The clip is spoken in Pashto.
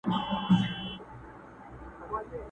نا امیده له درمل مرګ ته یې پام سو!!